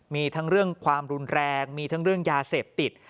มีทั้งเรื่องความรุนแรงมีทั้งเรื่องยาเสพติด